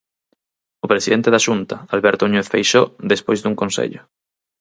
O presidente da Xunta, Alberto Núñez Feixóo despois dun Consello.